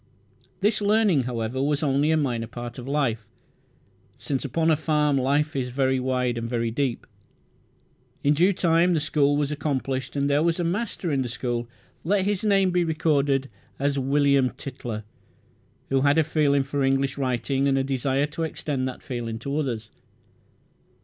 This learning, however, was only a minor part of life, since upon a farm life is very wide and very deep. In due time the school was accomplished, and there was a master in the school let his name be recorded William Tytler, who had a feeling for English writing and a desire to extend that feeling to others.